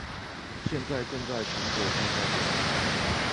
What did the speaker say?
現在正在成果報告中